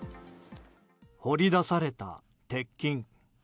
掘り出された鉄筋。